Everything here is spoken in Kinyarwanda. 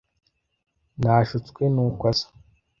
Nashutswe nuko asa.